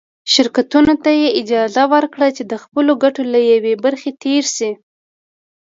شرکتونو ته یې اجازه ورکړه چې د خپلو ګټو له یوې برخې تېر شي.